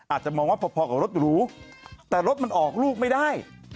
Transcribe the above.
อาจจะมองว่าพอกับรถหรูแต่รถมันออกลูกไม่ได้